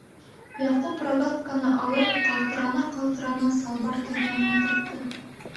Яҡуп рогатканы алып, ҡалтырана-ҡалтырана, салбар кеҫәһенә тыҡты.